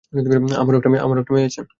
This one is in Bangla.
আমারও একটা মেয়ে আছে।